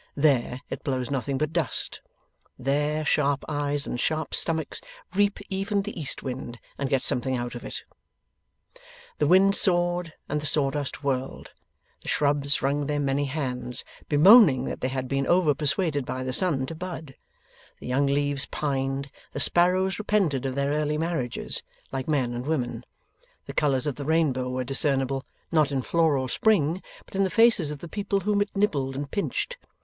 There, it blows nothing but dust. There, sharp eyes and sharp stomachs reap even the east wind, and get something out of it. The wind sawed, and the sawdust whirled. The shrubs wrung their many hands, bemoaning that they had been over persuaded by the sun to bud; the young leaves pined; the sparrows repented of their early marriages, like men and women; the colours of the rainbow were discernible, not in floral spring, but in the faces of the people whom it nibbled and pinched.